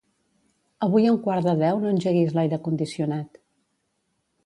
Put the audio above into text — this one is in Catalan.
Avui a un quart de deu no engeguis l'aire condicionat.